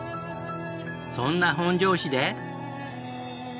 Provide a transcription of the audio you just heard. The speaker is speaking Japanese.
そんな本庄市で。